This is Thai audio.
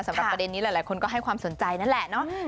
สำหรับประเด็นนี้หลายคนก็ให้ความสนใจนั่นแหละเนาะ